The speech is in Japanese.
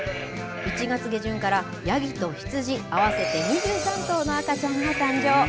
１月下旬からヤギとヒツジ、合わせて２３頭の赤ちゃんが誕生。